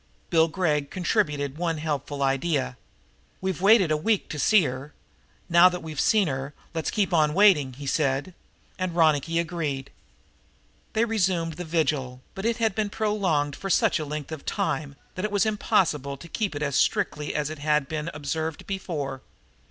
Bill Gregg contributed one helpful idea. "We've waited a week to see her; now that we've seen her let's keep on waiting," he said, and Ronicky agreed. They resumed the vigil, but it had already been prolonged for such a length of time that it was impossible to keep it as strictly as it had been observed before.